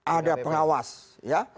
ada pengawas ya